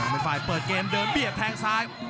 ครับเปิดเกมเดินเบียดแทงซ้าย